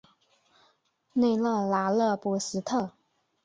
内勒拉勒波斯特。